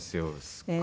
すごい。